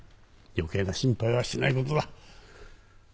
余計な心配はしない事だ。